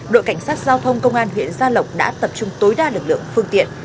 đội cảnh sát giao thông công an huyện gia lộc đã tập trung tối đa lực lượng phương tiện